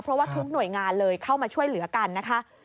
เพราะว่าทุกหน่วยงานเลยเข้ามาช่วยเหลือกันนะคะ